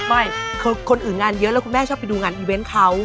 ไม่คือคนอื่นงานเยอะแล้วคุณแม่ชอบไปดูงานอีเวนต์เขา